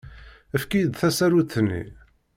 Efk-iyi-d tasarut-nni.